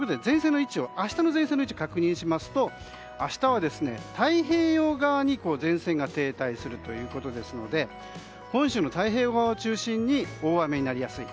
明日の前線の位置を確認しますと明日は、太平洋側に前線が停滞するということですので本州の太平洋側中心に大雨になりやすい。